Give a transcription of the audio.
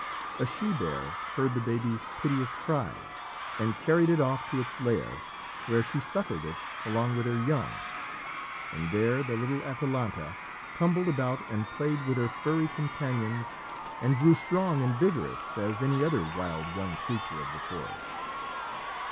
A she bear heard the baby's piteous cries, and carried it off to its lair, where she suckled it along with her young, and there the little Atalanta tumbled about and played with her furry companions and grew strong and vigorous as any other wild young creature of the forest.